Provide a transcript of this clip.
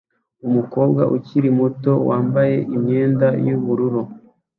Umukobwa ukiri muto wambaye imyenda yubururu